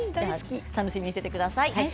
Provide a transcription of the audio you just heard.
楽しみにしていてください。